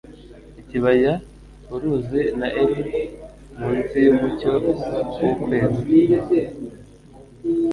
Ikibaya uruzi na elms munsi yumucyo wukwezi